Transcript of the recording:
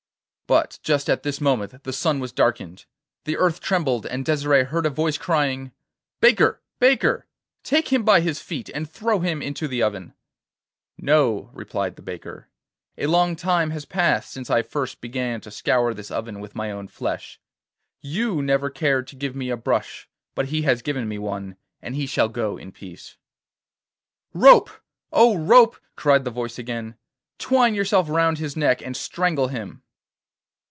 But just at this moment the sun was darkened, the earth trembled, and Desire heard a voice crying: 'Baker, baker, take him by his feet, and throw him into the oven!' 'No,' replied the baker; 'a long time has passed since I first began to scour this oven with my own flesh. You never cared to give me a brush; but he has given me one, and he shall go in peace.' 'Rope, O rope!' cried the voice again, 'twine yourself round his neck and strangle him.